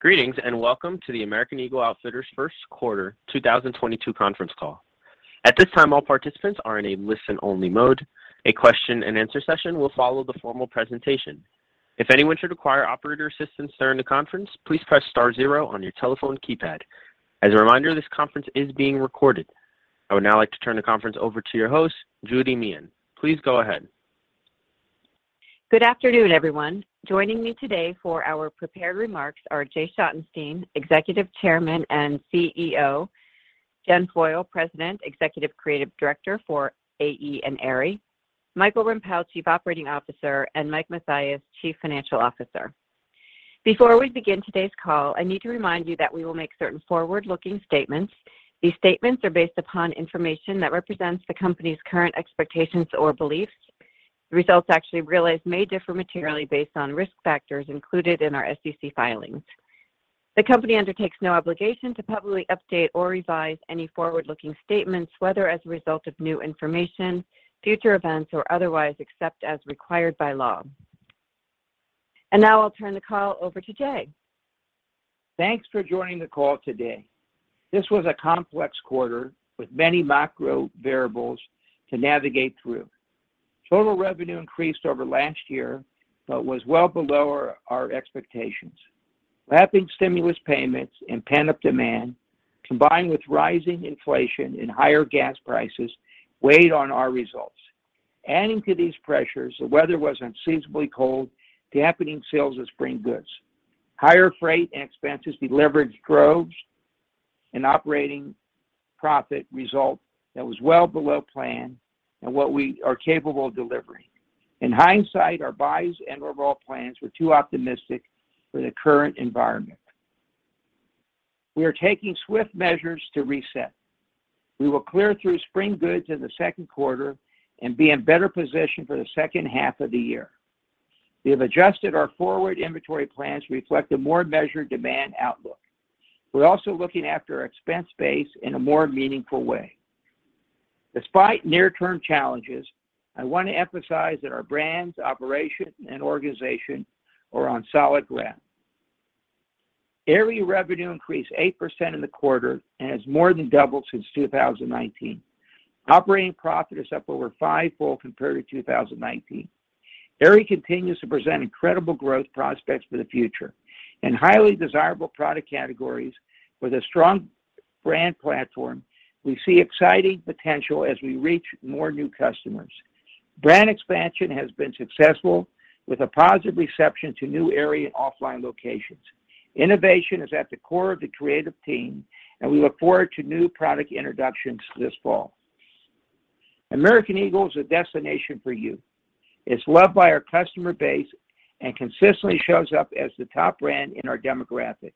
Greetings, and welcome to the American Eagle Outfitters Q1 2022 conference call. At this time, all participants are in a listen-only mode. A question-and-answer session will follow the formal presentation. If anyone should require operator assistance during the conference, please press star zero on your telephone keypad. As a reminder, this conference is being recorded. I would now like to turn the conference over to your host, Judy Meehan. Please go ahead. Good afternoon, everyone. Joining me today for our prepared remarks are Jay Schottenstein, Executive Chairman and CEO, Jen Foyle, President, Executive Creative Director for AE and Aerie, Michael Rempell, Chief Operating Officer, and Mike Mathias, Chief Financial Officer. Before we begin today's call, I need to remind you that we will make certain forward-looking statements. These statements are based upon information that represents the Company's current expectations or beliefs. Results actually realized may differ materially based on risk factors included in our SEC filings. The Company undertakes no obligation to publicly update or revise any forward-looking statements, whether as a result of new information, future events, or otherwise, except as required by law. Now I'll turn the call over to Jay. Thanks for joining the call today. This was a complex quarter with many macro variables to navigate through. Total revenue increased over last year but was well below our expectations. Lapping stimulus payments and pent-up demand, combined with rising inflation and higher gas prices, weighed on our results. Adding to these pressures, the weather was unseasonably cold, dampening sales of spring goods. Higher freight and expenses de-leveraged growth and operating profit result that was well below plan and what we are capable of delivering. In hindsight, our buys and overall plans were too optimistic for the current environment. We are taking swift measures to reset. We will clear through spring goods in the Q2 and be in better position for the H2 of the year. We have adjusted our forward inventory plans to reflect a more measured demand outlook. We're also looking after our expense base in a more meaningful way. Despite near-term challenges, I wanna emphasize that our brands, operations, and organization are on solid ground. Aerie revenue increased 8% in the quarter and has more than doubled since 2019. Operating profit is up over five-fold compared to 2019. Aerie continues to present incredible growth prospects for the future. In highly desirable product categories with a strong brand platform, we see exciting potential as we reach more new customers. Brand expansion has been successful with a positive reception to new Aerie OFFLINE locations. Innovation is at the core of the creative team, and we look forward to new product introductions this fall. American Eagle is a destination for youth. It's loved by our customer base and consistently shows up as the top brand in our demographic.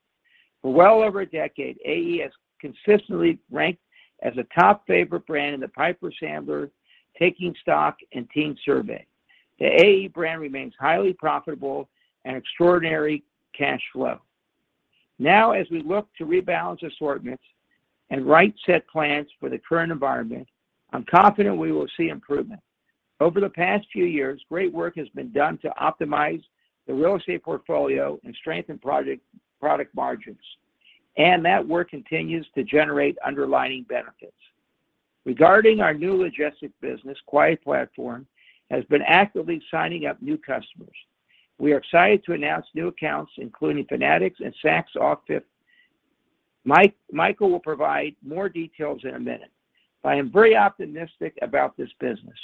For well over a decade, AE has consistently ranked as a top favorite brand in the Piper Sandler Taking Stock With Teens survey. The AE brand remains highly profitable with extraordinary cash flow. Now as we look to rebalance assortments and right-size plans for the current environment, I'm confident we will see improvement. Over the past few years, great work has been done to optimize the real estate portfolio and strengthen product margins, and that work continues to generate underlying benefits. Regarding our new logistics business, Quiet Platforms has been actively signing up new customers. We are excited to announce new accounts, including Fanatics and Saks OFF 5TH. Michael will provide more details in a minute, but I am very optimistic about this business.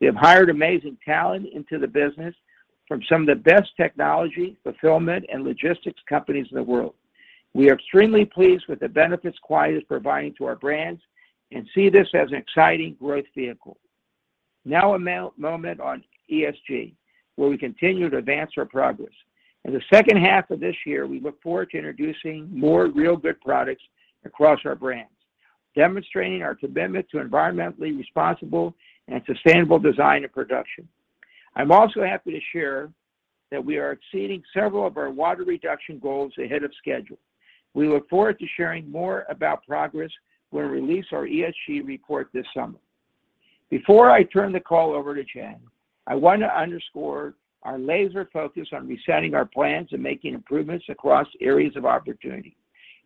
We have hired amazing talent into the business from some of the best technology, fulfillment, and logistics companies in the world. We are extremely pleased with the benefits Quiet is providing to our brands and see this as an exciting growth vehicle. Now a moment on ESG, where we continue to advance our progress. In the H2 of this year, we look forward to introducing more real good products across our brands, demonstrating our commitment to environmentally responsible and sustainable design and production. I'm also happy to share that we are exceeding several of our water reduction goals ahead of schedule. We look forward to sharing more about progress when we release our ESG report this summer. Before I turn the call over to Jen, I want to underscore our laser focus on resetting our plans and making improvements across areas of opportunity.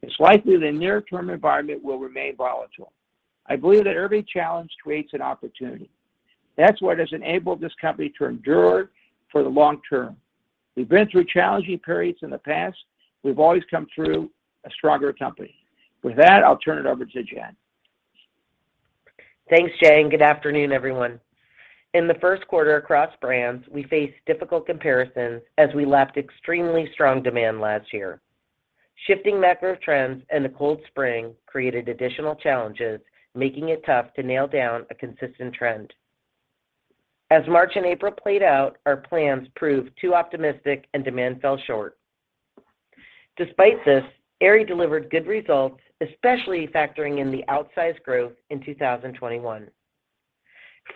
It's likely the near-term environment will remain volatile. I believe that every challenge creates an opportunity. That's what has enabled this company to endure for the long term. We've been through challenging periods in the past. We've always come through a stronger company. With that, I'll turn it over to Jen. Thanks, Jay, and good afternoon, everyone. In the Q1 across brands, we faced difficult comparisons as we lapped extremely strong demand last year. Shifting macro trends and a cold spring created additional challenges, making it tough to nail down a consistent trend. As March and April played out, our plans proved too optimistic and demand fell short. Despite this, Aerie delivered good results, especially factoring in the outsized growth in 2021.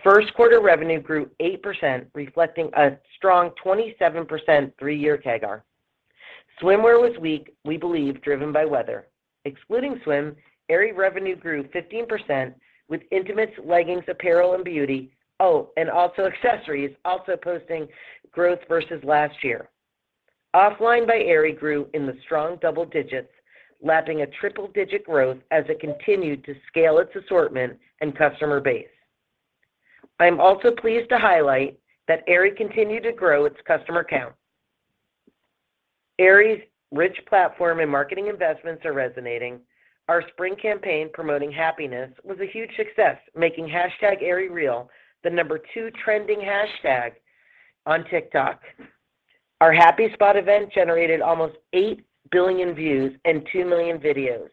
Q1 revenue grew 8%, reflecting a strong 27% three-year CAGR. Swimwear was weak, we believe, driven by weather. Excluding swim, Aerie revenue grew 15% with intimates, leggings, apparel, and beauty. Oh, and accessories posting growth versus last year. OFFLINE by Aerie grew in the strong double digits, lapping a triple-digit growth as it continued to scale its assortment and customer base. I am also pleased to highlight that Aerie continued to grow its customer count. Aerie's rich platform and marketing investments are resonating. Our spring campaign promoting happiness was a huge success, making #AerieREAL the number 2 trending hashtag on TikTok. Our Happy Spot event generated almost 8 billion views and 2 million videos.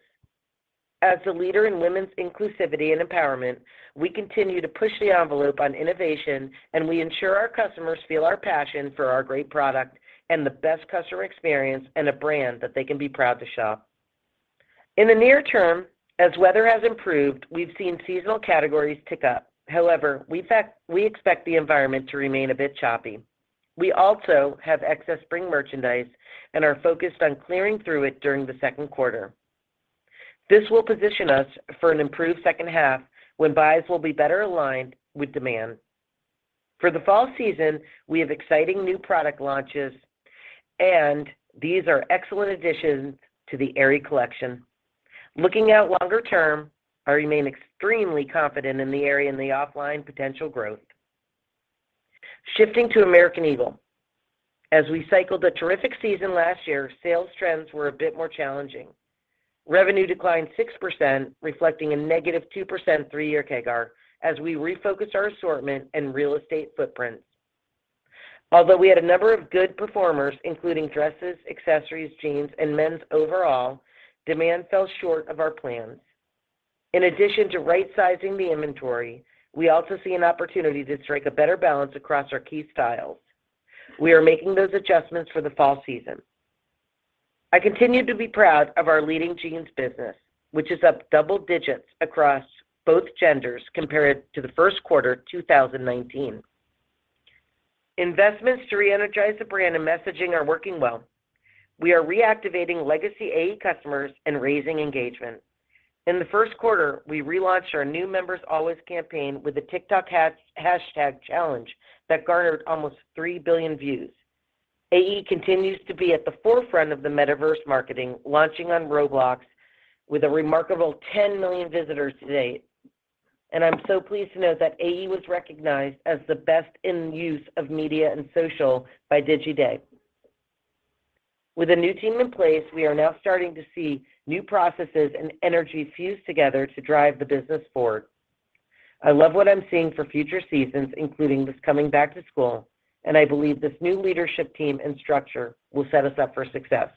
As the leader in women's inclusivity and empowerment, we continue to push the envelope on innovation, and we ensure our customers feel our passion for our great product and the best customer experience and a brand that they can be proud to shop. In the near term, as weather has improved, we've seen seasonal categories tick up. However, we expect the environment to remain a bit choppy. We also have excess spring merchandise and are focused on clearing through it during the Q2. This will position us for an improved H2 when buys will be better aligned with demand. For the fall season, we have exciting new product launches, and these are excellent additions to the Aerie collection. Looking out longer term, I remain extremely confident in the Aerie and the OFFLINE potential growth. Shifting to American Eagle. As we cycled a terrific season last year, sales trends were a bit more challenging. Revenue declined 6%, reflecting a negative 2% 3-year CAGR as we refocused our assortment and real estate footprint. Although we had a number of good performers, including dresses, accessories, jeans, and men's overall, demand fell short of our plans. In addition to right-sizing the inventory, we also see an opportunity to strike a better balance across our key styles. We are making those adjustments for the fall season. I continue to be proud of our leading jeans business, which is up double digits across both genders compared to the Q1 of 2019. Investments to reenergize the brand and messaging are working well. We are reactivating legacy AE customers and raising engagement. In the Q1, we relaunched our new Members Always campaign with a TikTok hashtag challenge that garnered almost 3 billion views. AE continues to be at the forefront of the metaverse marketing, launching on Roblox with a remarkable 10 million visitors to date. I'm so pleased to note that AE was recognized as the best in use of media and social by Digiday. With a new team in place, we are now starting to see new processes and energies fuse together to drive the business forward. I love what I'm seeing for future seasons, including this coming back to school, and I believe this new leadership team and structure will set us up for success.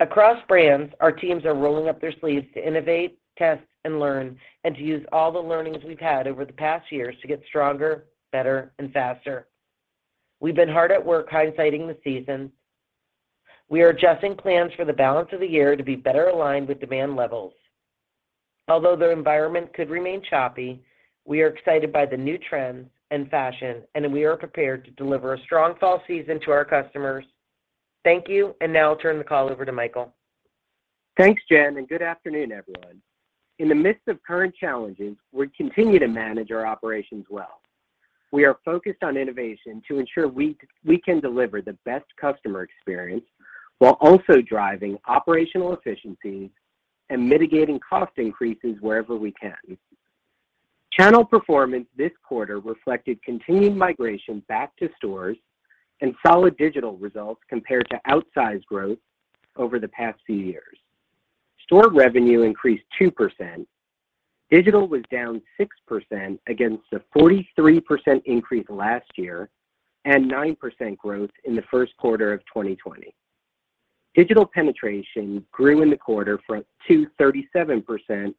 Across brands, our teams are rolling up their sleeves to innovate, test, and learn, and to use all the learnings we've had over the past years to get stronger, better, and faster. We've been hard at work hind sighting the season. We are adjusting plans for the balance of the year to be better aligned with demand levels. Although the environment could remain choppy, we are excited by the new trends and fashion, and we are prepared to deliver a strong fall season to our customers. Thank you, and now I'll turn the call over to Michael. Thanks, Jen, and good afternoon, everyone. In the midst of current challenges, we continue to manage our operations well. We are focused on innovation to ensure we can deliver the best customer experience while also driving operational efficiencies and mitigating cost increases wherever we can. Channel performance this quarter reflected continued migration back to stores and solid digital results compared to outsized growth over the past few years. Store revenue increased 2%. Digital was down 6% against a 43% increase last year and 9% growth in the Q1 of 2020. Digital penetration grew in the quarter from 30% to 37%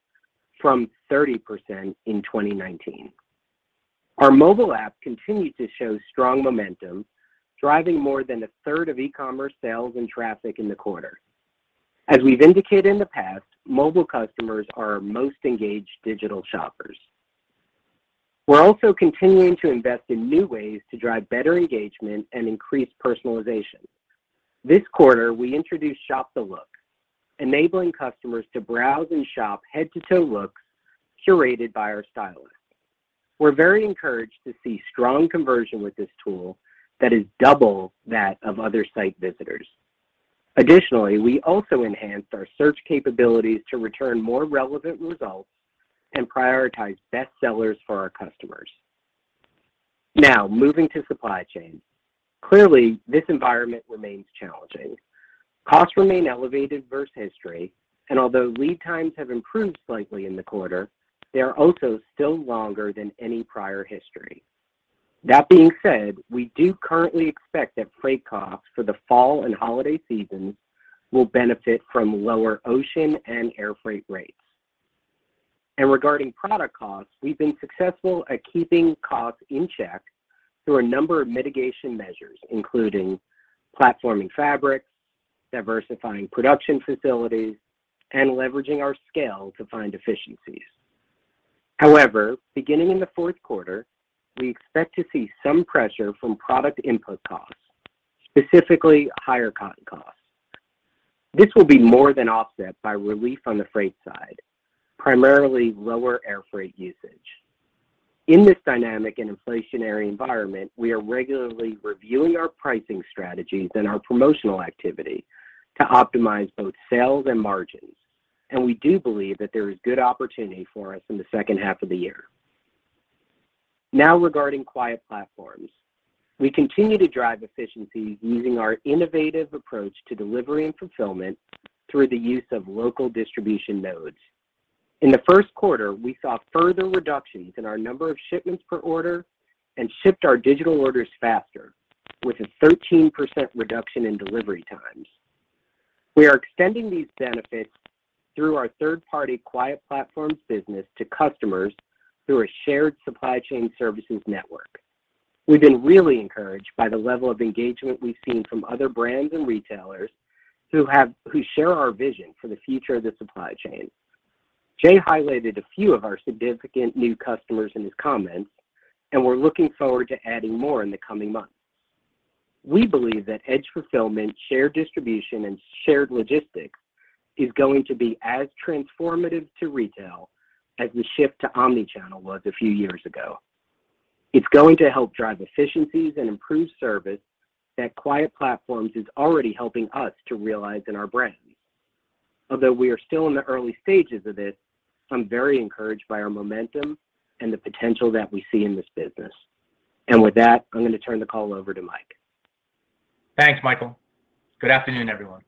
from 30% in 2019. Our mobile app continued to show strong momentum, driving more than a third of e-commerce sales and traffic in the quarter. As we've indicated in the past, mobile customers are our most engaged digital shoppers. We're also continuing to invest in new ways to drive better engagement and increase personalization. This quarter, we introduced Shop the Look, enabling customers to browse and shop head-to-toe looks curated by our stylists. We're very encouraged to see strong conversion with this tool that is double that of other site visitors. Additionally, we also enhanced our search capabilities to return more relevant results and prioritize bestsellers for our customers. Now, moving to supply chain. Clearly, this environment remains challenging. Costs remain elevated versus history, and although lead times have improved slightly in the quarter, they are also still longer than any prior history. That being said, we do currently expect that freight costs for the fall and holiday seasons will benefit from lower ocean and air freight rates. Regarding product costs, we've been successful at keeping costs in check through a number of mitigation measures, including platforming fabrics, diversifying production facilities, and leveraging our scale to find efficiencies. However, beginning in the Q4, we expect to see some pressure from product input costs, specifically higher cotton costs. This will be more than offset by relief on the freight side, primarily lower air freight usage. In this dynamic and inflationary environment, we are regularly reviewing our pricing strategies and our promotional activity to optimize both sales and margins, and we do believe that there is good opportunity for us in the H2 of the year. Now regarding Quiet Platforms, we continue to drive efficiencies using our innovative approach to delivery and fulfillment through the use of local distribution nodes. In the Q1, we saw further reductions in our number of shipments per order and shipped our digital orders faster with a 13% reduction in delivery times. We are extending these benefits through our third-party Quiet Platforms business to customers through a shared supply chain services network. We've been really encouraged by the level of engagement we've seen from other brands and retailers who share our vision for the future of the supply chain. Jay highlighted a few of our significant new customers in his comments, and we're looking forward to adding more in the coming months. We believe that edge fulfillment, shared distribution, and shared logistics is going to be as transformative to retail as the shift to omni-channel was a few years ago. It's going to help drive efficiencies and improve service that Quiet Platforms is already helping us to realize in our brands. Although we are still in the early stages of this, I'm very encouraged by our momentum and the potential that we see in this business. With that, I'm gonna turn the call over to Mike. Thanks, Michael. Good afternoon, everyone.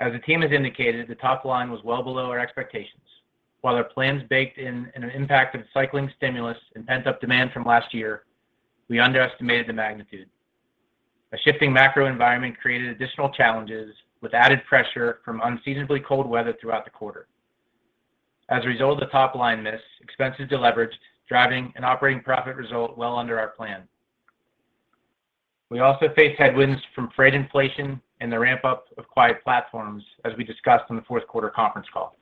As the team has indicated, the top line was well below our expectations. While our plans baked in an impact of cycling stimulus and pent-up demand from last year, we underestimated the magnitude. A shifting macro environment created additional challenges with added pressure from unseasonably cold weather throughout the quarter. As a result of the top-line miss, expenses deleveraged, driving an operating profit result well under our plan. We also faced headwinds from freight inflation and the ramp-up of Quiet Platforms, as we discussed on the Q4 conference call.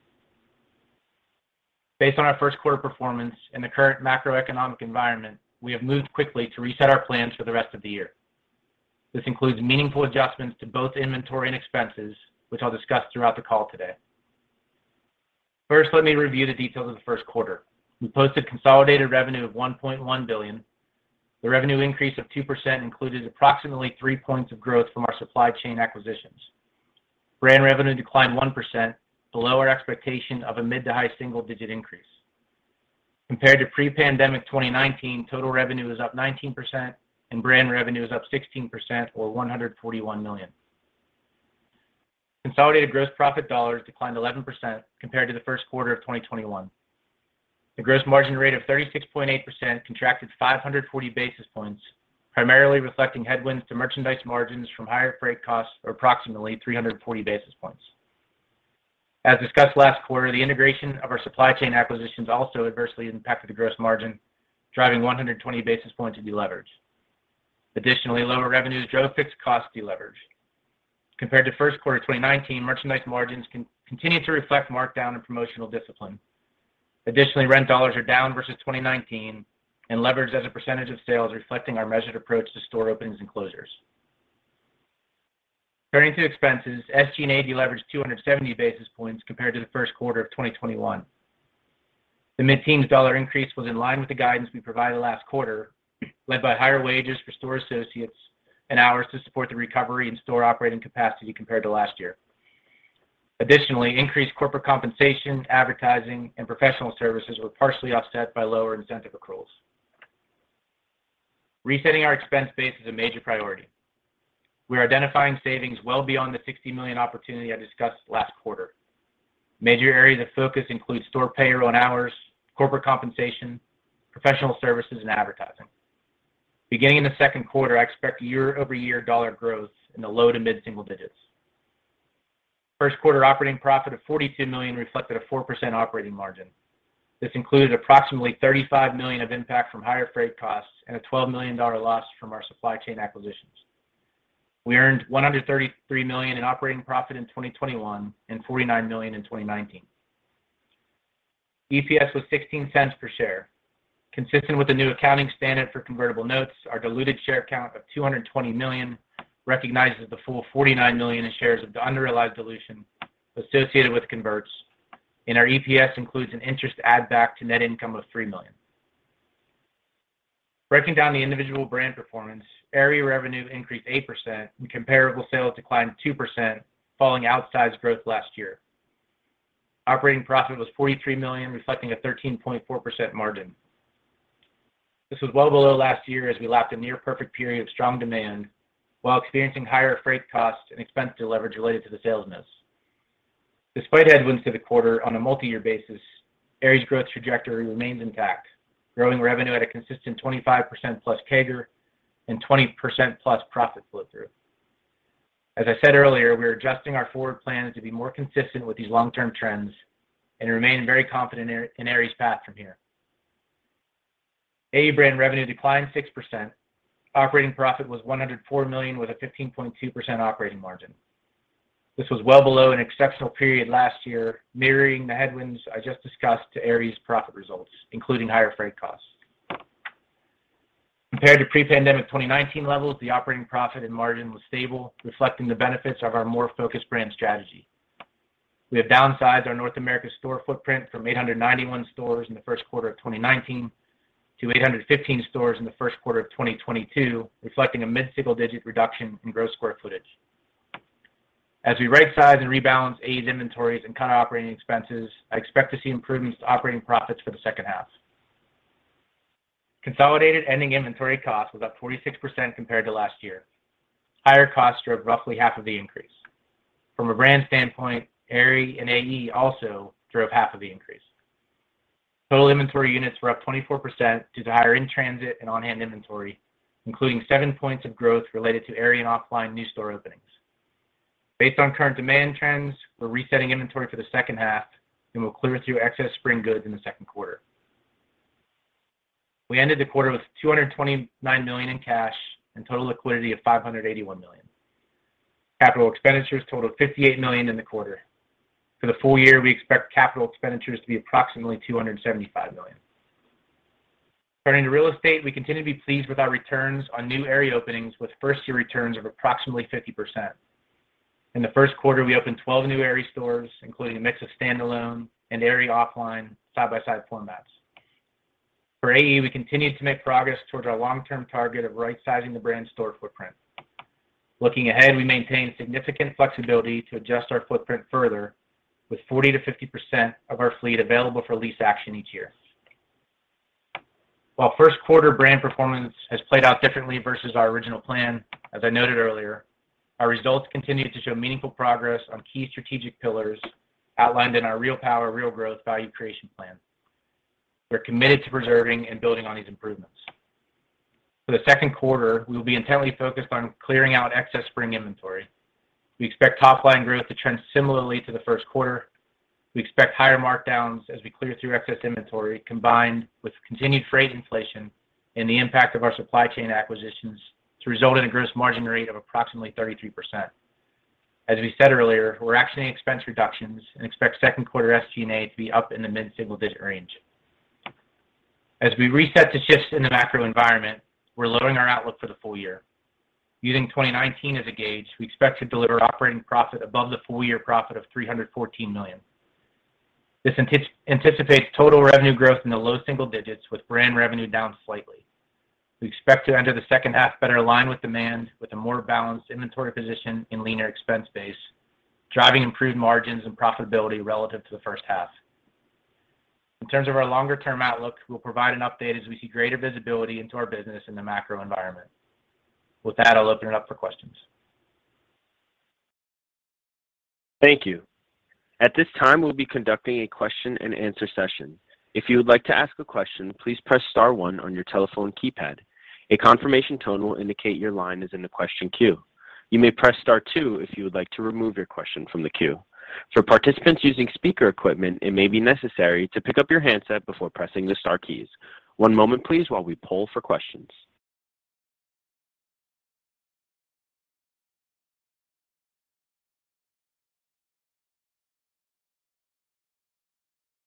Based on our Q1 performance and the current macroeconomic environment, we have moved quickly to reset our plans for the rest of the year. This includes meaningful adjustments to both inventory and expenses, which I'll discuss throughout the call today. First, let me review the details of the Q1. We posted consolidated revenue of $1.1 billion. The revenue increase of 2% included approximately three points of growth from our supply chain acquisitions. Brand revenue declined 1%, below our expectation of a mid- to high single-digit increase. Compared to pre-pandemic 2019, total revenue is up 19% and brand revenue is up 16% or $141 million. Consolidated gross profit dollars declined 11% compared to the Q1 of 2021. The gross margin rate of 36.8% contracted 540 basis points, primarily reflecting headwinds to merchandise margins from higher freight costs of approximately 340 basis points. As discussed last quarter, the integration of our supply chain acquisitions also adversely impacted the gross margin, driving 120 basis points of deleverage. Additionally, lower revenues drove fixed cost deleverage. Compared to Q1 of 2019, merchandise margins continue to reflect markdown and promotional discipline. Additionally, rent dollars are down versus 2019 and leverage as a percentage of sales reflecting our measured approach to store openings and closures. Turning to expenses, SG&A deleveraged 270 basis points compared to the Q1 of 2021. The mid-teens dollar increase was in line with the guidance we provided last quarter, led by higher wages for store associates and hours to support the recovery in store operating capacity compared to last year. Additionally, increased corporate compensation, advertising, and professional services were partially offset by lower incentive accruals. Resetting our expense base is a major priority. We're identifying savings well beyond the $60 million opportunity I discussed last quarter. Major areas of focus include store payroll and hours, corporate compensation, professional services, and advertising. Beginning in the Q2, I expect year-over-year dollar growth in the low- to mid-single-digit percent. Q1 operating profit of $42 million reflected a 4% operating margin. This included approximately $35 million of impact from higher freight costs and a $12 million loss from our supply chain acquisitions. We earned $133 million in operating profit in 2021 and $49 million in 2019. EPS was $0.16 per share. Consistent with the new accounting standard for convertible notes, our diluted share count of 220 million recognizes the full 49 million shares of the unrealized dilution associated with converts, and our EPS includes an interest add back to net income of $3 million. Breaking down the individual brand performance, Aerie revenue increased 8%, and comparable sales declined 2%, following outsized growth last year. Operating profit was $43 million, reflecting a 13.4% margin. This was well below last year as we lapped a near perfect period of strong demand while experiencing higher freight costs and expense deleverage related to the sales miss. Despite headwinds to the quarter on a multi-year basis, Aerie's growth trajectory remains intact, growing revenue at a consistent 25%+ CAGR and 20%+ profit split through. As I said earlier, we're adjusting our forward plans to be more consistent with these long-term trends and remain very confident in Aerie's path from here. AE brand revenue declined 6%. Operating profit was $104 million with a 15.2% operating margin. This was well below an exceptional period last year, mirroring the headwinds I just discussed to Aerie's profit results, including higher freight costs. Compared to pre-pandemic 2019 levels, the operating profit and margin was stable, reflecting the benefits of our more focused brand strategy. We have downsized our North America store footprint from 891 stores in the Q1 of 2019 to 815 stores in the Q1 of 2022, reflecting a mid-single-digit reduction in gross square footage. As we rightsize and rebalance AE's inventories and cut operating expenses, I expect to see improvements to operating profits for the H2. Consolidated ending inventory cost was up 46% compared to last year. Higher costs drove roughly 1/2 of the increase. From a brand standpoint, Aerie and AE also drove 1/2 of the increase. Total inventory units were up 24% due to higher in-transit and on-hand inventory, including seven points of growth related to Aerie and OFFLINE new store openings. Based on current demand trends, we're resetting inventory for the H2, and we'll clear through excess spring goods in the Q2. We ended the quarter with $229 million in cash and total liquidity of $581 million. Capital expenditures totaled $58 million in the quarter. For the full year, we expect capital expenditures to be approximately $275 million. Turning to real estate, we continue to be pleased with our returns on new Aerie openings, with first-year returns of approximately 50%. In the Q1, we opened 12 new Aerie stores, including a mix of standalone and Aerie OFFLINE side-by-side formats. For AE, we continue to make progress towards our long-term target of rightsizing the brand's store footprint. Looking ahead, we maintain significant flexibility to adjust our footprint further with 40%-50% of our fleet available for lease action each year. While Q1 brand performance has played out differently versus our original plan, as I noted earlier, our results continue to show meaningful progress on key strategic pillars outlined in our Real Power. Real Growth. value creation plan. We're committed to preserving and building on these improvements. For the Q2, we will be intently focused on clearing out excess spring inventory. We expect top line growth to trend similarly to the Q1. We expect higher markdowns as we clear through excess inventory combined with continued freight inflation and the impact of our supply chain acquisitions to result in a gross margin rate of approximately 33%. As we said earlier, we're actioning expense reductions and expect Q2 SG&A to be up in the mid-single-digit range. As we reset to shifts in the macro environment, we're lowering our outlook for the full year. Using 2019 as a gauge, we expect to deliver operating profit above the full year profit of $314 million. This anticipates total revenue growth in the low single digits with brand revenue down slightly. We expect to enter the H2 better aligned with demand with a more balanced inventory position and leaner expense base, driving improved margins and profitability relative to the H1. In terms of our longer-term outlook, we'll provide an update as we see greater visibility into our business and the macro environment. With that, I'll open it up for questions. Thank you. At this time, we'll be conducting a question and answer session. If you would like to ask a question, please press star one on your telephone keypad. A confirmation tone will indicate your line is in the question queue. You may press star two if you would like to remove your question from the queue. For participants using speaker equipment, it may be necessary to pick up your handset before pressing the star keys. One moment please while we poll for questions.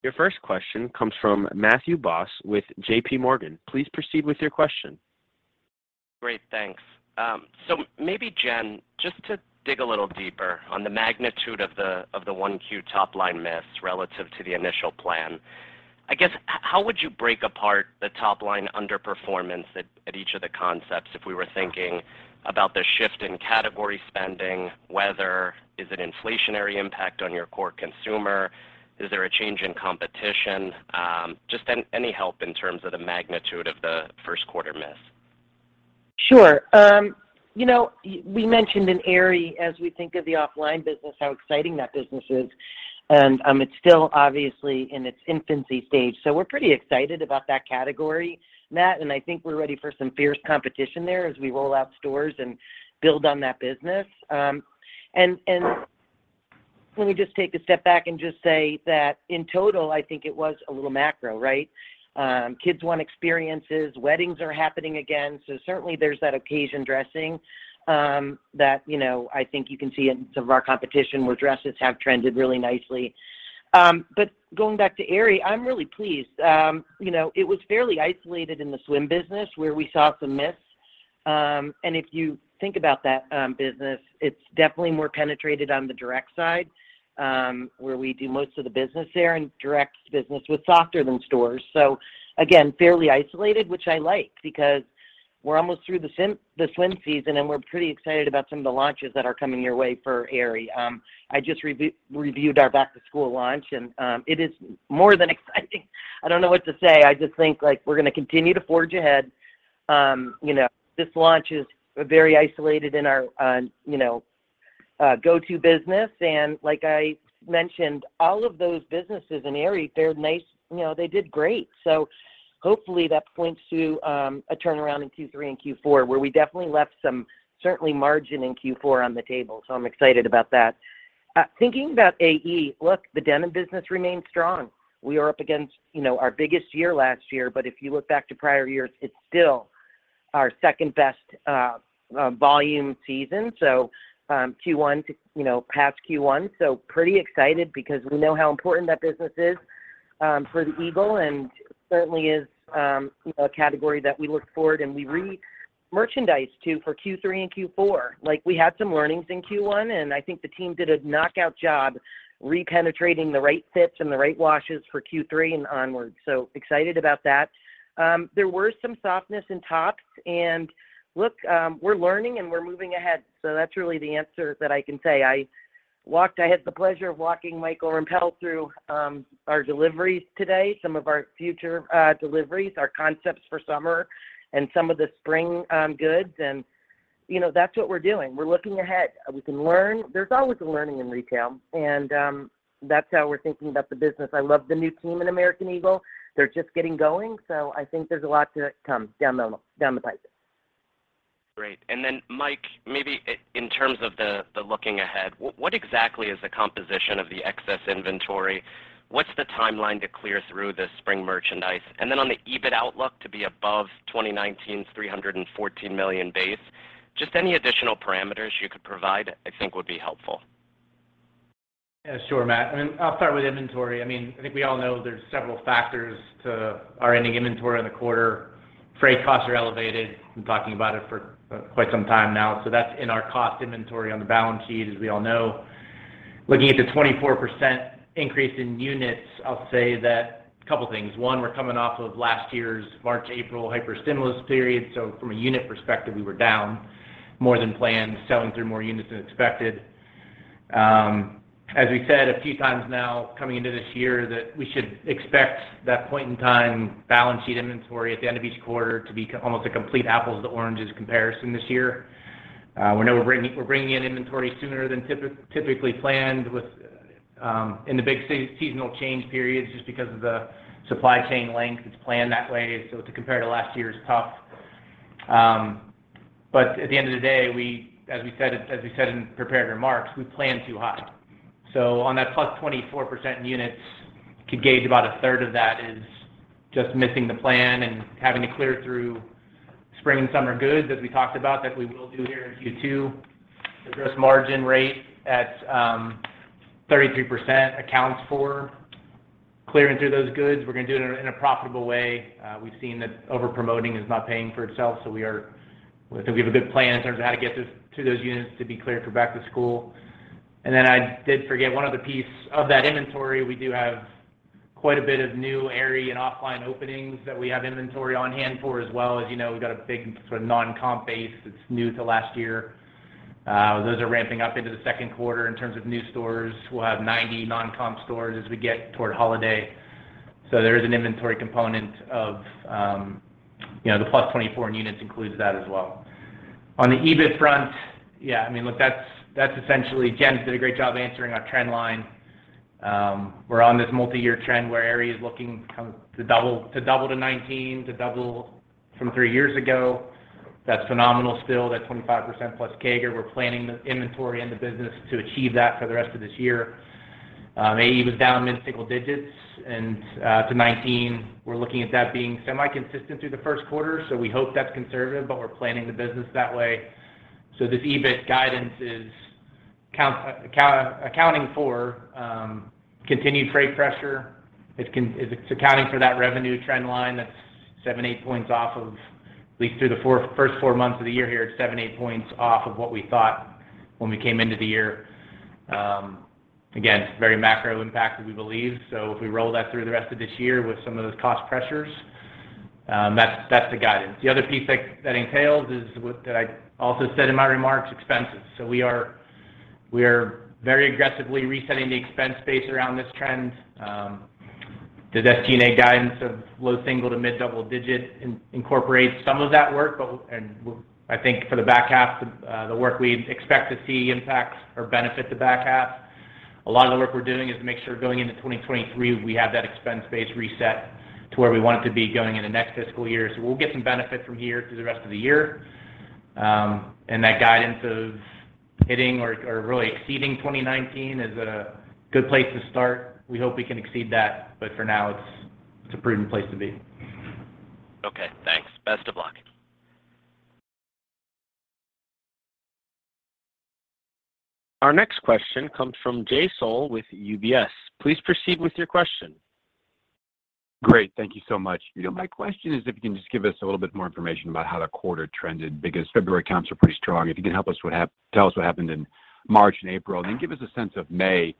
Your first question comes from Matthew Boss with JPMorgan. Please proceed with your question. Great. Thanks. Maybe Jen, just to dig a little deeper on the magnitude of the Q1 top line miss relative to the initial plan. I guess, how would you break apart the top line underperformance at each of the concepts if we were thinking about the shift in category spending, whether is it inflationary impact on your core consumer? Is there a change in competition? Just any help in terms of the magnitude of the Q1 miss. Sure. You know, we mentioned in Aerie as we think of the OFFLINE business, how exciting that business is. It's still obviously in its infancy stage, so we're pretty excited about that category, Matt, and I think we're ready for some fierce competition there as we roll out stores and build on that business. Let me just take a step back and just say that in total, I think it was a little macro, right? Kids want experiences. Weddings are happening again, so certainly there's that occasion dressing, that you know, I think you can see in some of our competition where dresses have trended really nicely. But going back to Aerie, I'm really pleased. You know, it was fairly isolated in the swim business where we saw some miss. If you think about that business, it's definitely more penetrated on the direct side, where we do most of the business there and direct business was softer than stores. Again, fairly isolated, which I like because we're almost through the swim season, and we're pretty excited about some of the launches that are coming your way for Aerie. I just reviewed our back-to-school launch and it is more than exciting. I don't know what to say. I just think, like, we're gonna continue to forge ahead. You know, this launch is very isolated in our, you know, go-to business. Like I mentioned, all of those businesses in Aerie, they're nice. You know, they did great. Hopefully, that points to a turnaround in Q3 and Q4, where we definitely left some margin in Q4 on the table. I'm excited about that. Thinking about AE, look, the denim business remains strong. We are up against, you know, our biggest year last year, but if you look back to prior years, it's still our second-best volume season. Q1 to, you know, past Q1, pretty excited because we know how important that business is, for the Eagle, and certainly is, you know, a category that we look forward and we re-merchandise to for Q3 and Q4. Like, we had some learnings in Q1, and I think the team did a knockout job re-penetrating the right fits and the right washes for Q3 and onwards, so excited about that. There were some softness in tops, and look, we're learning and we're moving ahead, so that's really the answer that I can say. I walked. I had the pleasure of walking Mike Rempell through our deliveries today, some of our future deliveries, our concepts for summer and some of the spring goods, and, you know, that's what we're doing. We're looking ahead. We can learn. There's always a learning in retail, and that's how we're thinking about the business. I love the new team in American Eagle. They're just getting going, so I think there's a lot to come down the pipe. Great. Mike, maybe in terms of the looking ahead, what exactly is the composition of the excess inventory? What's the timeline to clear through the spring merchandise? On the EBIT outlook to be above 2019's $314 million base, just any additional parameters you could provide I think would be helpful. Yeah, sure, Matt, I'll start with inventory. I mean, I think we all know there's several factors to our ending inventory in the quarter. Freight costs are elevated. We've been talking about it for quite some time now, so that's in our cost inventory on the balance sheet, as we all know. Looking at the 24% increase in units, I'll say that couple things. One, we're coming off of last year's March, April hyper stimulus period, so from a unit perspective, we were down more than planned, selling through more units than expected. As we said a few times now coming into this year that we should expect that point in time balance sheet inventory at the end of each quarter to be almost a complete apples to oranges comparison this year. We know we're bringing in inventory sooner than typically planned within the big seasonal change periods just because of the supply chain length. It's planned that way, so to compare to last year is tough. At the end of the day, as we said in prepared remarks, we plan too high. On that +24% in units, could gauge about a third of that is just missing the plan and having to clear through spring and summer goods as we talked about, that we will do here in Q2. The gross margin rate at 33% accounts for clearing through those goods. We're gonna do it in a profitable way. We've seen that over promoting is not paying for itself, so we are. I think we have a good plan in terms of how to get this to those units to be cleared for back to school. I did forget one other piece of that inventory, we do have quite a bit of new Aerie and OFFLINE openings that we have inventory on hand for as well. As you know, we've got a big sort of non-comp base that's new to last year. Those are ramping up into the Q2 in terms of new stores. We'll have 90 non-comp stores as we get toward holiday. There is an inventory component of, you know, the +24 in units includes that as well. On the EBIT front, yeah, I mean, look, that's essentially Jen has done a great job answering our trend line. We're on this multiyear trend where Aerie is looking kind of to double to 2019, to double from three years ago. That's phenomenal still. That 25%+ CAGR. We're planning the inventory in the business to achieve that for the rest of this year. AE was down mid-single digits and to 2019. We're looking at that being semi-consistent through the Q1, so we hope that's conservative, but we're planning the business that way. This EBIT guidance is counting accounting for continued freight pressure. It's accounting for that revenue trend line that's 7-8 points off of at least through the first four months of the year here. It's 7-8 points off of what we thought when we came into the year. Again, very macro impacted we believe. If we roll that through the rest of this year with some of those cost pressures, that's the guidance. The other piece that entails is that I also said in my remarks, expenses. We are very aggressively resetting the expense base around this trend. The SG&A guidance of low single- to mid-double-digit incorporates some of that work, but I think for the H2, the work we expect to see impact or benefit the H2. A lot of the work we're doing is to make sure going into 2023, we have that expense base reset to where we want it to be going into next fiscal year. We'll get some benefit from here through the rest of the year. That guidance of hitting or really exceeding 2019 is a good place to start. We hope we can exceed that, but for now it's a prudent place to be. Okay, thanks. Best of luck. Our next question comes from Jay Sole with UBS. Please proceed with your question. Great. Thank you so much. You know, my question is if you can just give us a little bit more information about how the quarter trended, because February comps were pretty strong. If you can help us tell us what happened in March and April, and then give us a sense of May,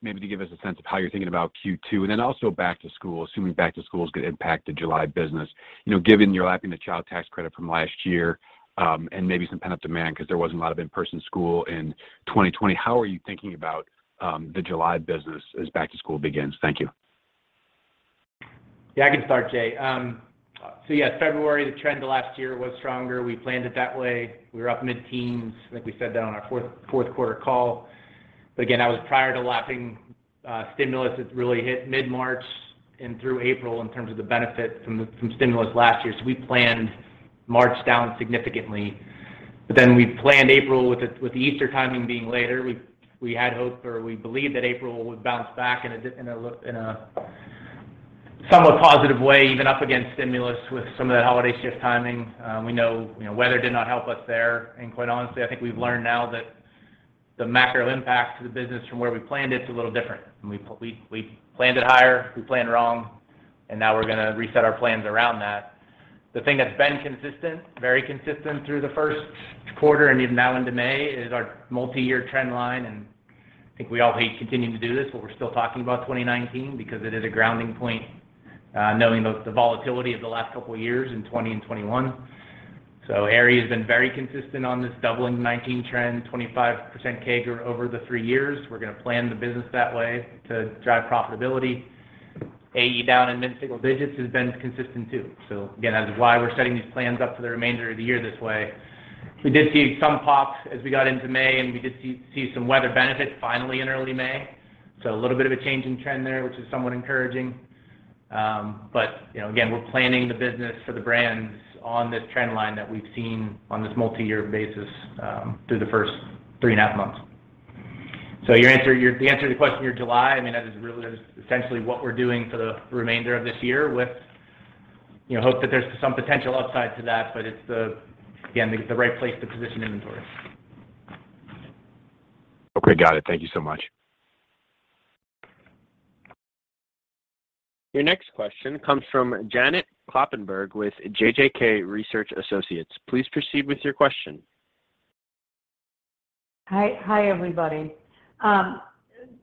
maybe to give us a sense of how you're thinking about Q2, and then also back to school, assuming back to school is gonna impact the July business. You know, given you're lapping the child tax credit from last year, and maybe some pent-up demand because there wasn't a lot of in-person school in 2020, how are you thinking about the July business as back to school begins? Thank you. Yeah, I can start, Jay. Yeah, February, the trend to last year was stronger. We planned it that way. We were up mid-teens. I think we said that on our Q4 call. Again, that was prior to lapping Stimulus that's really hit mid-March and through April in terms of the benefit from stimulus last year. We planned March down significantly. We planned April with the Easter timing being later. We had hoped, or we believed, that April would bounce back in a somewhat positive way, even up against stimulus with some of that holiday shift timing. We know, you know, weather did not help us there. Quite honestly, I think we've learned now that the macro impact to the business from where we planned it is a little different. We planned it higher, we planned wrong, and now we're gonna reset our plans around that. The thing that's been consistent, very consistent through the Q1 and even now into May is our multi-year trend line, and I think we all hate continuing to do this, but we're still talking about 2019 because it is a grounding point, knowing the volatility of the last couple years in 2020 and 2021. Aerie has been very consistent on this doubling 2019 trend, 25% CAGR over the three years. We're gonna plan the business that way to drive profitability. AE down in mid-single digits has been consistent too. Again, that is why we're setting these plans up for the remainder of the year this way. We did see some pops as we got into May, and we did see some weather benefits finally in early May. A little bit of a change in trend there, which is somewhat encouraging. You know, again, we're planning the business for the brands on this trend line that we've seen on this multi-year basis, through the first 3.5 months. To answer your question, your July, I mean, that is essentially what we're doing for the remainder of this year with, you know, hope that there's some potential upside to that, but it's again the right place to position inventory. Okay. Got it. Thank you so much. Your next question comes from Janet Kloppenburg with JJK Research. Please proceed with your question. Hi, everybody.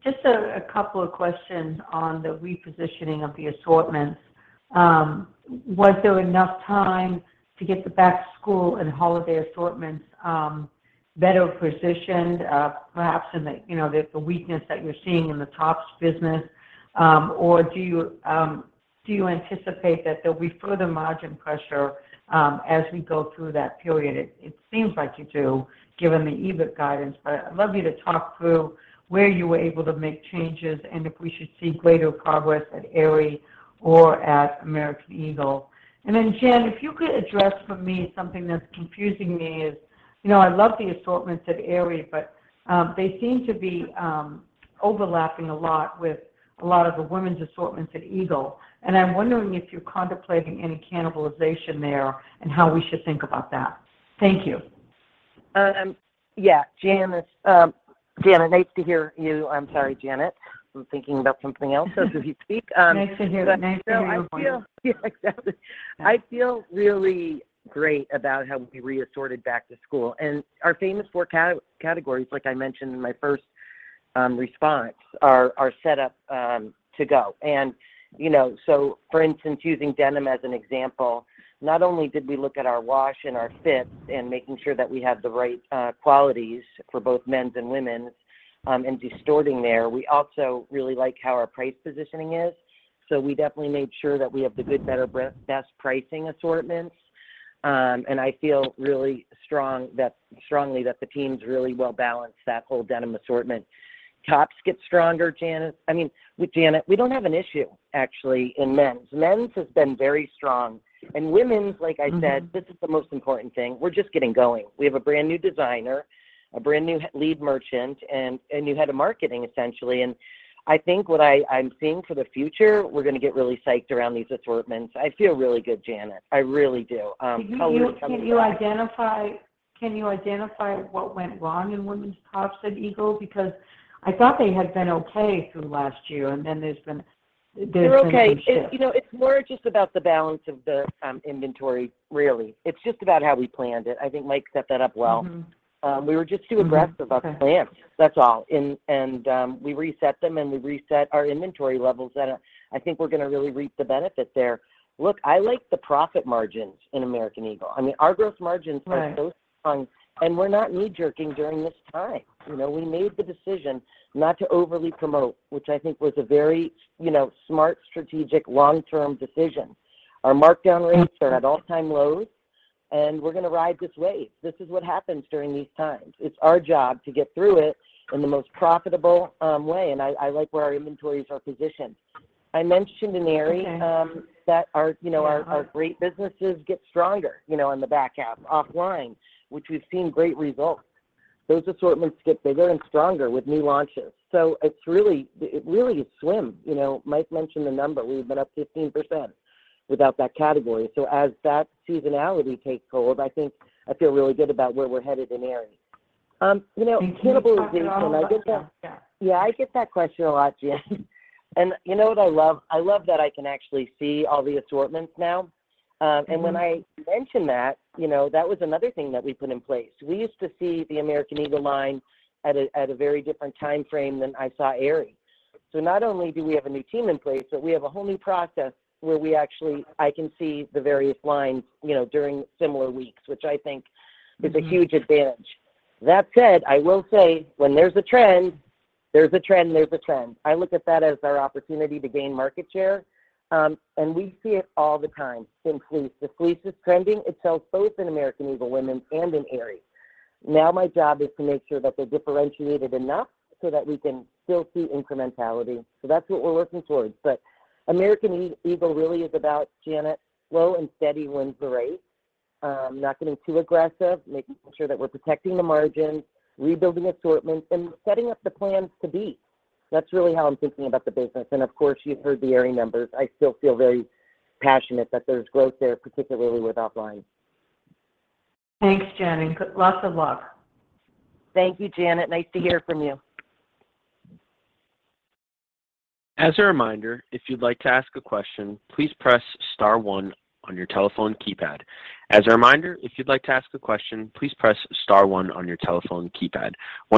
Just a couple of questions on the repositioning of the assortments. Was there enough time to get the back-to-school and holiday assortments better positioned, perhaps in the, you know, the weakness that you're seeing in the Tops business? Or do you anticipate that there'll be further margin pressure as we go through that period? It seems like you do given the EBIT guidance, but I'd love you to talk through where you were able to make changes and if we should see greater progress at Aerie or at American Eagle. Jen, if you could address for me something that's confusing me is, you know, I love the assortments at Aerie, but they seem to be overlapping a lot with a lot of the women's assortments at Eagle, and I'm wondering if you're contemplating any cannibalization there and how we should think about that. Thank you. Yeah. Janet, nice to hear you. I'm sorry, Janet. I'm thinking about something else as you speak. Nice to hear. Nice to hear your voice. Yeah, exactly. I feel really great about how we reassorted back to school. Our famous four categories, like I mentioned in my first response, are set up to go. You know, for instance, using denim as an example, not only did we look at our wash and our fit and making sure that we had the right qualities for both men's and women's, and assorting there, we also really like how our price positioning is. We definitely made sure that we have the good, better, best pricing assortments. I feel really strongly that the team's really well balanced that whole denim assortment. Tops get stronger, Janet. I mean, with Janet, we don't have an issue actually in men's. Men's has been very strong. Women's, like I said, this is the most important thing, we're just getting going. We have a brand-new designer, a brand-new lead merchant, and a new head of marketing, essentially. I think what I'm seeing for the future, we're gonna get really psyched around these assortments. I feel really good, Janet. I really do. Can you identify what went wrong in women's tops at Eagle? Because I thought they had been okay through last year, and then there's been some shifts. They're okay. It, you know, it's more just about the balance of the inventory really. It's just about how we planned it. I think Mike set that up well. We were just too aggressive. Okay On our plans. That's all. We reset them, and we reset our inventory levels, and I think we're gonna really reap the benefit there. Look, I like the profit margins in American Eagle. I mean, our gross margins are so strong. Right. We're not knee-jerking during this time. You know, we made the decision not to overly promote, which I think was a very, you know, smart, strategic, long-term decision. Our markdown rates are at all-time lows, and we're gonna ride this wave. This is what happens during these times. It's our job to get through it in the most profitable way, and I like where our inventories are positioned. I mentioned in Aerie- Okay. -that our, you know Yeah Our great businesses get stronger, you know, on the H2 OFFLINE, which we've seen great results. Those assortments get bigger and stronger with new launches. It's really swim. You know, Mike mentioned the number. We've been up 15% without that category. As that seasonality takes hold, I think I feel really good about where we're headed in Aerie. You know, cannibalization. Can you talk at all about that? Yeah. Yeah, I get that question a lot, Janet. You know what I love? I love that I can actually see all the assortments now. When I mention that, you know, that was another thing that we put in place. We used to see the American Eagle line at a very different timeframe than I saw Aerie. Not only do we have a new team in place, but we have a whole new process where we actually, I can see the various lines, you know, during similar weeks, which I think is a huge advantage. That said, I will say when there's a trend. I look at that as our opportunity to gain market share. We see it all the time in Fleece. If Fleece is trending, it sells both in American Eagle women's and in Aerie. Now my job is to make sure that they're differentiated enough so that we can still see incrementality. That's what we're working towards. American Eagle really is about, Janet, slow and steady wins the race. Not getting too aggressive, making sure that we're protecting the margins, rebuilding assortments, and setting up the plans to be. That's really how I'm thinking about the business. Of course, you've heard the Aerie numbers. I still feel very passionate that there's growth there, particularly with online. Thanks, Jen, and lots of luck. Thank you, Janet. Nice to hear from you. As a reminder, if you'd like to ask a question, please press star one on your telephone keypad. One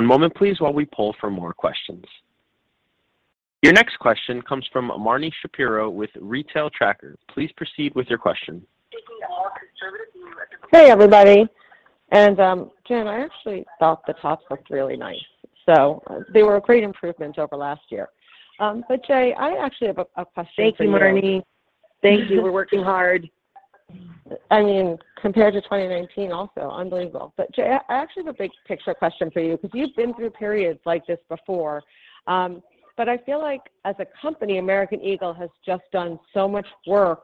moment, please, while we poll for more questions. Your next question comes from Marni Shapiro with The Retail Tracker. Please proceed with your question. Hey, everybody. Jen, I actually thought the tops looked really nice. They were a great improvement over last year. Jay, I actually have a question for you. Thank you, Marni. Thank you. We're working hard. I mean, compared to 2019 also, unbelievable. Jay, I actually have a big picture question for you, because you've been through periods like this before. I feel like as a company, American Eagle has just done so much work,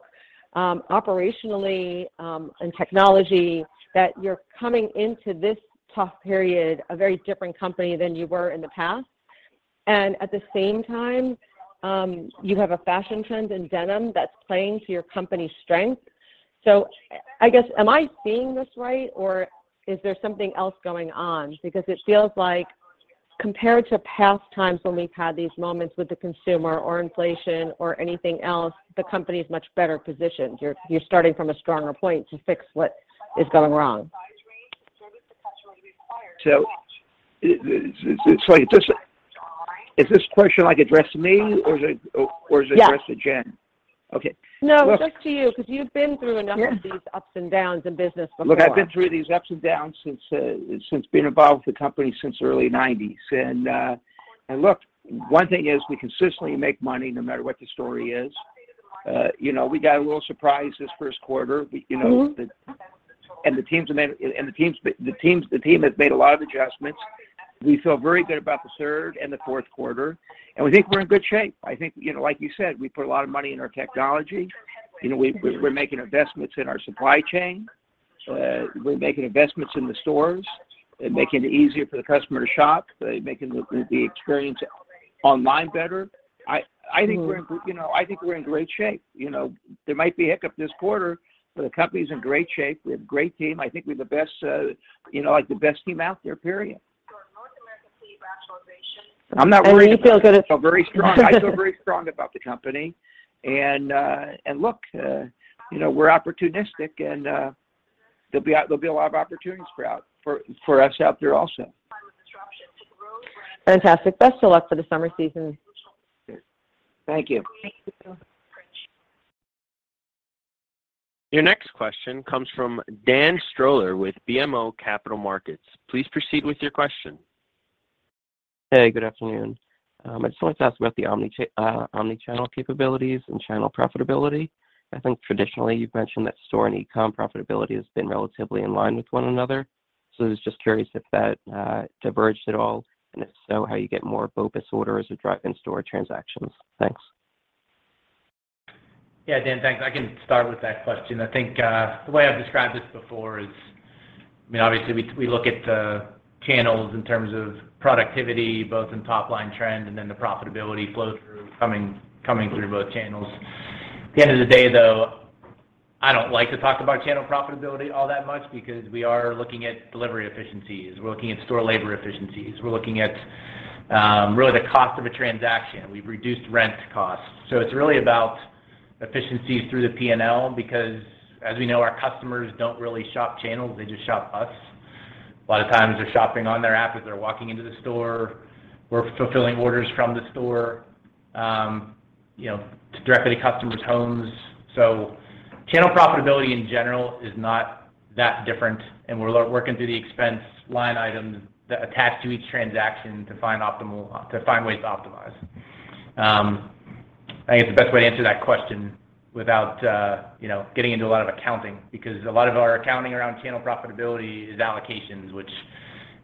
operationally, and technology that you're coming into this tough period a very different company than you were in the past. At the same time, you have a fashion trend in denim that's playing to your company's strength. I guess, am I seeing this right, or is there something else going on? Because it feels like compared to past times when we've had these moments with the consumer or inflation or anything else, the company is much better positioned. You're starting from a stronger point to fix what is going wrong. It's like this. Is this question, like, addressed to me, or is it addressed- Yes -to Jen? Okay. No, it's addressed to you because you've been through enough of these ups and downs in business before. Look, I've been through these ups and downs since being involved with the company since the early 1990s. Look, one thing is we consistently make money no matter what the story is. You know, we got a little surprise this Q1. The team has made a lot of adjustments. We feel very good about the third and the Q4, and we think we're in good shape. I think, you know, like you said, we put a lot of money in our technology. You know, we're making investments in our supply chain. We're making investments in the stores and making it easier for the customer to shop, making the experience online better. I think, you know, we're in great shape. You know, there might be a hiccup this quarter, but the company's in great shape. We have a great team. I think we have the best, you know, like, the best team out there, period. I'm not worried. You feel good at- I feel very strong. I feel very strong about the company. Look, you know, we're opportunistic, and there'll be a lot of opportunities for us out there also. Fantastic. Best of luck for the summer season. Thank you. Thank you. Your next question comes from Dan Stroller with BMO Capital Markets. Please proceed with your question. Hey, good afternoon. I just wanted to ask about the omnichannel capabilities and channel profitability. I think traditionally you've mentioned that store and e-com profitability has been relatively in line with one another. I was just curious if that diverged at all, and if so, how you get more BOPIS orders or drive in-store transactions? Thanks. Yeah, Dan, thanks. I can start with that question. I think, the way I've described this before is, I mean, obviously we look at channels in terms of productivity, both in top line trend and then the profitability flow through coming through both channels. At the end of the day, though, I don't like to talk about channel profitability all that much because we are looking at delivery efficiencies. We're looking at store labor efficiencies. We're looking at really the cost of a transaction. We've reduced rent costs. It's really about efficiencies through the P&L because as we know, our customers don't really shop channels, they just shop us. A lot of times they're shopping on their app as they're walking into the store. We're fulfilling orders from the store, you know, to directly to customers' homes. Channel profitability in general is not that different. We're working through the expense line items that attach to each transaction to find ways to optimize. I think it's the best way to answer that question without, you know, getting into a lot of accounting, because a lot of our accounting around channel profitability is allocations, which,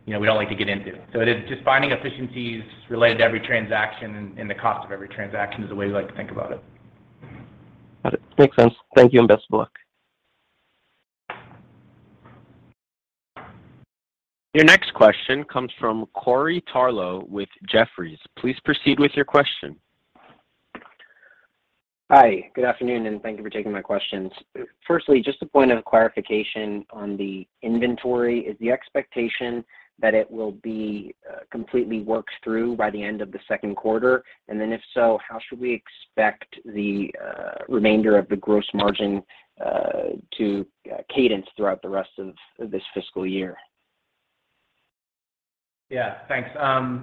you know, we don't like to get into. It is just finding efficiencies related to every transaction and the cost of every transaction is the way we like to think about it. Got it. Makes sense. Thank you, and best of luck. Your next question comes from Corey Tarlowe with Jefferies. Please proceed with your question. Hi, good afternoon, and thank you for taking my questions. Firstly, just a point of clarification on the inventory. Is the expectation that it will be completely worked through by the end of the Q2? If so, how should we expect the remainder of the gross margin to cadence throughout the rest of this fiscal year? Yeah. Thanks.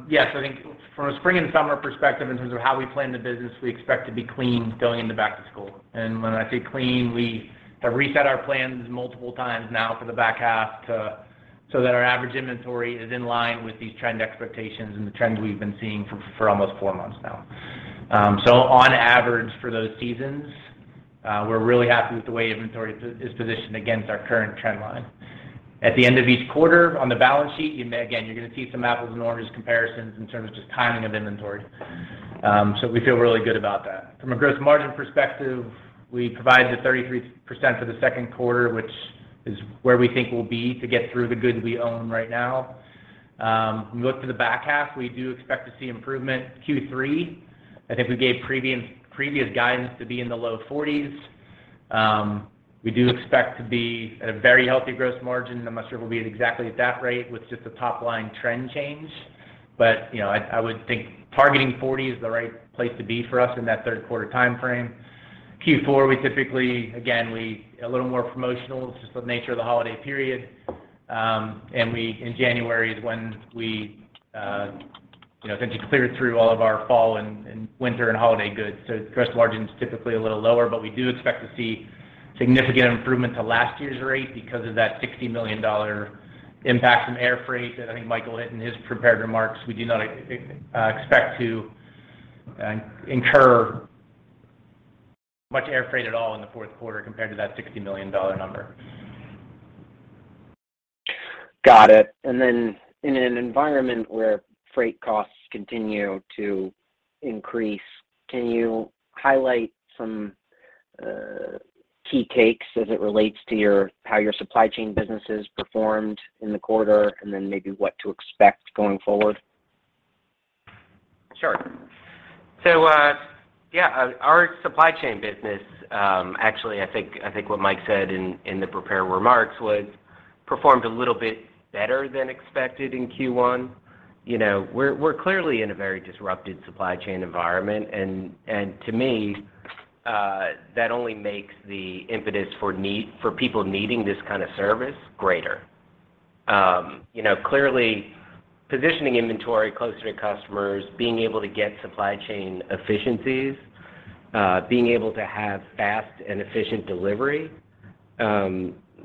Yes, I think from a spring and summer perspective in terms of how we plan the business, we expect to be clean going into back to school. When I say clean, we have reset our plans multiple times now for the H2 so that our average inventory is in line with these trend expectations and the trends we've been seeing for almost four months now. On average for those seasons, we're really happy with the way inventory is positioned against our current trend line. At the end of each quarter on the balance sheet, again, you're gonna see some apples and oranges comparisons in terms of just timing of inventory. We feel really good about that. From a gross margin perspective, we provide the 33% for the Q2, which is where we think we'll be to get through the goods we own right now. When we look to the H2, we do expect to see improvement Q3. I think we gave previous guidance to be in the low 40s. We do expect to be at a very healthy gross margin. I'm not sure we'll be at exactly that rate with just the top line trend change. You know, I would think targeting 40% is the right place to be for us in that Q3 timeframe. Q4, we typically are a little more promotional. It's just the nature of the holiday period. In January is when we tend to clear through all of our fall and winter and holiday goods. So gross margin's typically a little lower, but we do expect to see significant improvement to last year's rate because of that $60 million impact from air freight that I think Michael hit in his prepared remarks. We do not expect to incur much air freight at all in the Q4 compared to that $60 million number. Got it. In an environment where freight costs continue to increase, can you highlight some key takeaways as it relates to how your supply chain business has performed in the quarter, and then maybe what to expect going forward? Sure. Yeah, our supply chain business, actually, I think what Mike said in the prepared remarks was performed a little bit better than expected in Q1. You know, we're clearly in a very disrupted supply chain environment and to me, that only makes the impetus for people needing this kind of service greater. You know, clearly positioning inventory closer to customers, being able to get supply chain efficiencies, being able to have fast and efficient delivery,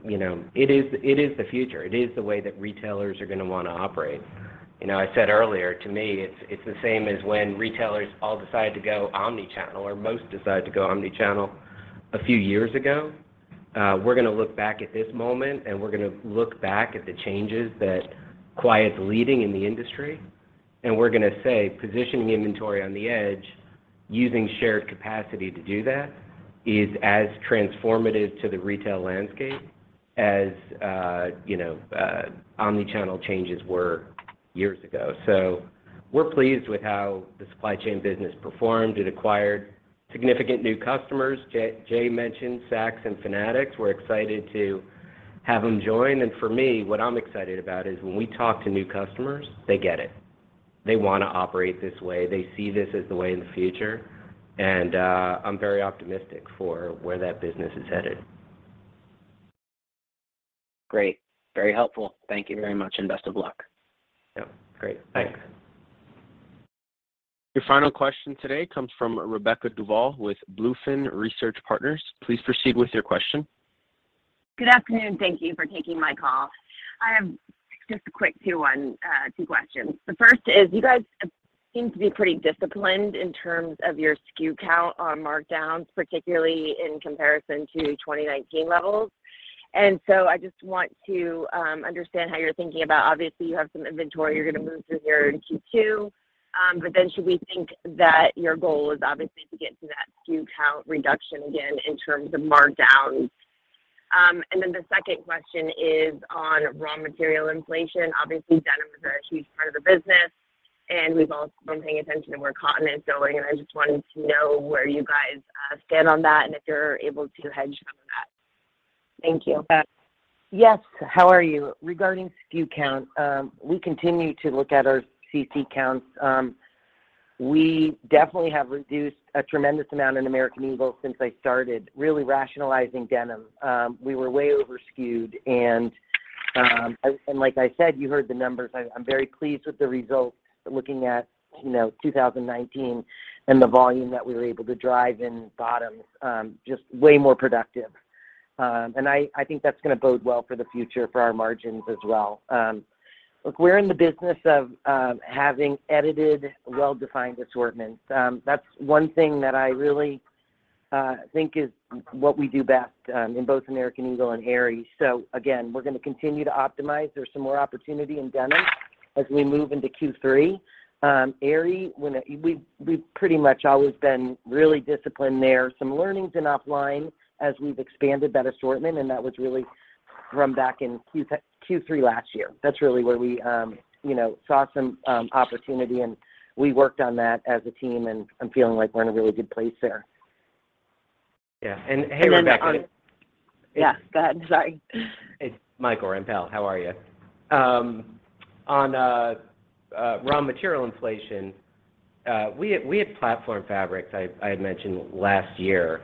you know, it is the future. It is the way that retailers are gonna wanna operate. You know, I said earlier, to me, it's the same as when retailers all decided to go omnichannel, or most decided to go omnichannel a few years ago. We're gonna look back at this moment, and we're gonna look back at the changes that Quiet's leading in the industry, and we're gonna say, "Positioning inventory on the edge using shared capacity to do that is as transformative to the retail landscape as, you know, omnichannel changes were years ago." We're pleased with how the supply chain business performed. It acquired significant new customers. Jay mentioned Saks and Fanatics. We're excited to have them join. I'm very optimistic for where that business is headed. Great. Very helpful. Thank you very much, and best of luck. Yeah. Great. Thanks. Your final question today comes from Rebecca Duval with BlueFin Research Partners. Please proceed with your question. Good afternoon. Thank you for taking my call. I have just a quick two questions. The first is, you guys seem to be pretty disciplined in terms of your SKU count on markdowns, particularly in comparison to 2019 levels. I just want to understand how you're thinking about. Obviously, you have some inventory you're gonna move through here in Q2. But then should we think that your goal is obviously to get to that SKU count reduction again in terms of markdowns? The second question is on raw material inflation. Obviously, denim is a huge part of the business, and we've all been paying attention to where cotton is going, and I just wanted to know where you guys stand on that and if you're able to hedge some of that. Thank you. Yes. How are you? Regarding SKU count, we continue to look at our CC counts. We definitely have reduced a tremendous amount in American Eagle since I started really rationalizing denim. We were way over-SKUed and like I said, you heard the numbers. I'm very pleased with the results looking at, you know, 2019 and the volume that we were able to drive in bottoms, just way more productive. I think that's gonna bode well for the future for our margins as well. Look, we're in the business of having edited, well-defined assortments. That's one thing that I really think is what we do best in both American Eagle and Aerie. Again, we're gonna continue to optimize. There's some more opportunity in denim as we move into Q3. Aerie, we've pretty much always been really disciplined there. Some learnings in Offline as we've expanded that assortment, and that was really from back in Q3 last year. That's really where we you know saw some opportunity, and we worked on that as a team, and I'm feeling like we're in a really good place there. Yeah. Hey, Rebecca Yeah, go ahead. Sorry. It's Michael Rempell. How are you? On raw material inflation, we had platformed fabrics. I had mentioned last year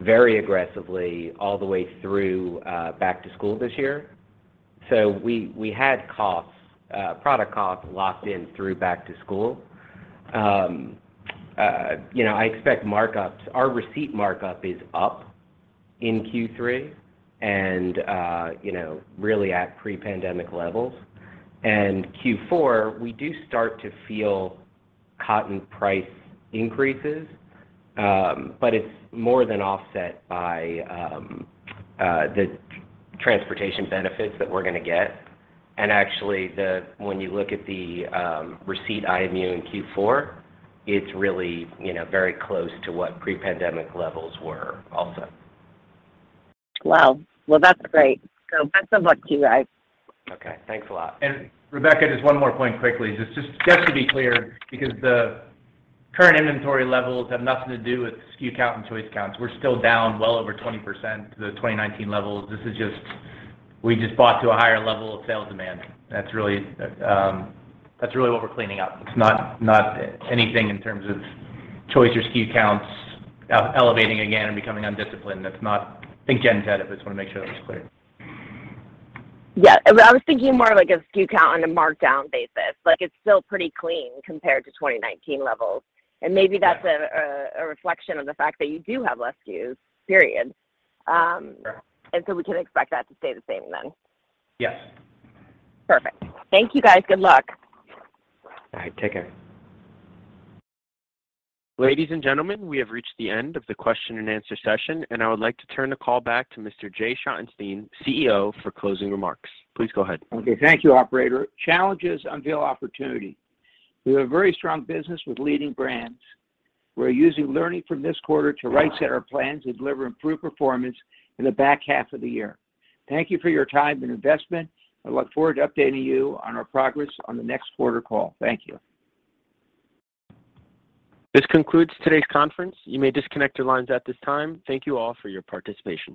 very aggressively all the way through back to school this year. We had product costs locked in through back to school. You know, I expect markups. Our receipt markup is up in Q3 and you know, really at pre-pandemic levels. Q4, we do start to feel cotton price increases, but it's more than offset by the transportation benefits that we're gonna get. Actually when you look at the receipt IMU in Q4, it's really you know, very close to what pre-pandemic levels were also. Wow. Well, that's great. Best of luck to you guys. Okay. Thanks a lot. Rebecca, just one more point quickly. Just to be clear, because the current inventory levels have nothing to do with SKU count and choice counts. We're still down well over 20% to the 2019 levels. This is just. We just bought to a higher level of sales demand. That's really, that's really what we're cleaning up. It's not anything in terms of choice or SKU counts elevating again and becoming undisciplined. That's not. I think Jen's had it, but just wanna make sure that's clear. Yeah. I was thinking more of like a SKU count on a markdown basis. Like, it's still pretty clean compared to 2019 levels. Maybe that's a reflection of the fact that you do have less SKUs, period. Sure. We can expect that to stay the same then. Yes. Perfect. Thank you, guys. Good luck. All right. Take care. Ladies and gentlemen, we have reached the end of the question and answer session, and I would like to turn the call back to Mr. Jay Schottenstein, CEO, for closing remarks. Please go ahead. Okay. Thank you, operator. Challenges unveil opportunity. We have a very strong business with leading brands. We're using learning from this quarter to re-center our plans and deliver improved performance in the back half of the year. Thank you for your time and investment. I look forward to updating you on our progress on the next quarter call. Thank you. This concludes today's conference. You may disconnect your lines at this time. Thank you all for your participation.